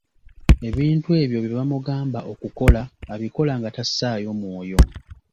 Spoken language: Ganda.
Ebintu ebyo bye bamugamba okukola abikola nga tassaayo mwoyo.